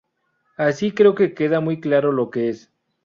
así creo que queda muy claro lo que es